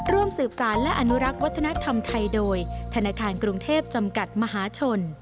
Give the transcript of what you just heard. ร่วมสืบสารและอนุรักษ์วัฒนธรรมไทยโดยธนาคารกรุงเทพจำกัดมหาชน